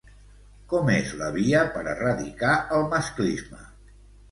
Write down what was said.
Com és la via per erradicar el masclisme?